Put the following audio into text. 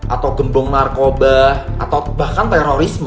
atau gembong narkoba atau bahkan terorisme